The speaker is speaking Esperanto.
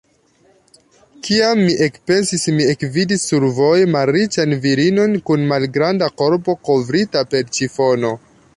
Kiam mi ekpensis, mi ekvidis survoje malriĉan virinon kun malgranda korbo, kovrita per ĉifono.